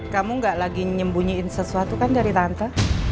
kamu gak lagi nyembunyiin sesuatu kan dari tante